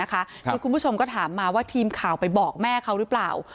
คือคุณผู้ชมก็ถามมาว่าทีมข่าวไปบอกแม่เขาหรือเปล่า